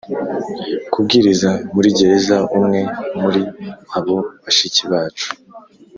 kubwiriza muri gereza Umwe muri abo bashiki bacu